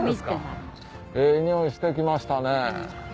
ええ匂いしてきましたね。